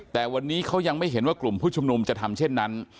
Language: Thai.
แต่วันนี้เขายังไม่เห็นว่ากลุ่มผู้ชุมนุมจะทำเช่นนั้น